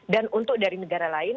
dan untuk dari negara lain